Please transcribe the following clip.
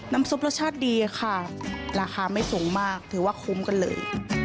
ซุปรสชาติดีค่ะราคาไม่สูงมากถือว่าคุ้มกันเลย